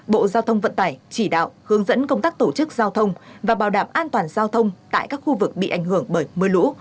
bộ giao thông vận tải chỉ đạo hướng dẫn công tác tổ chức giao thông và bảo đảm an toàn giao thông tại các khu vực bị ảnh hưởng bởi mưa lũ